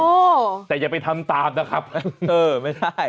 โอ้โหแต่อย่าไปทำตามนะครับเออไม่ได้